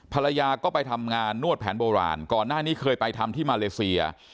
ภรรยาก็ไปทำงานนวดแผนโบราณก่อนหน้านี้เคยไปทำที่มาเลเซีย